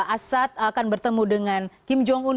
asad akan bertemu dengan kim jong un